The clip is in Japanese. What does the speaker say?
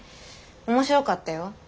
面白かったよ。